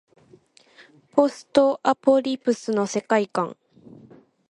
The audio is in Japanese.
ポストアポカリプスの世界観